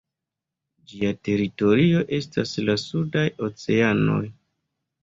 Ĝia teritorio estas la sudaj oceanoj.